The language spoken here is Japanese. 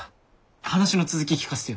話の続き聞かせてよ。